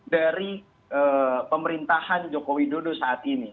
dari pemerintahan joko widodo saat ini